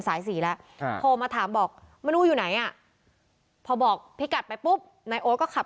สายสี่แล้วโทรมาถามบอกมนูอยู่ไหนอ่ะพอบอกพี่กัดไปปุ๊บนายโอ๊ตก็ขับ